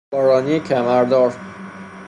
بارانی کمر دار